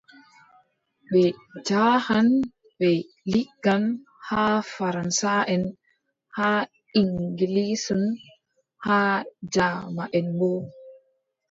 Ɓe njaahan ɓe liggan, haa faransaʼen haa iŋgilisʼen haa jaamanʼen boo .